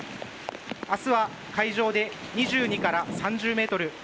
明日は、海上で２２から３０メートル